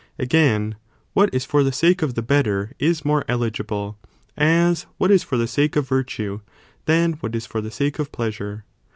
Again, what is for the sake of the better, is more eligible, as what is for the sake of virtue than what is for the sake of pleasure.